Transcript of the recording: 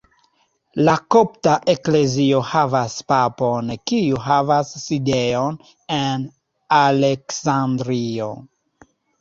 La kopta eklezio havas papon kiu havas sidejon en Aleksandrio.